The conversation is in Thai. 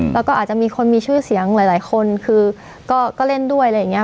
แล้วก็อาจจะมีคนมีชื่อเสียงหลายคนคือก็เล่นด้วยอะไรอย่างนี้